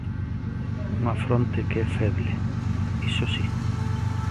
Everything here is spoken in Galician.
Unha fronte que é feble, iso si.